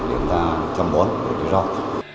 để chúng ta chăm bón cây rau